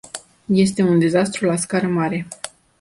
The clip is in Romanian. Este un dezastru la scară mare.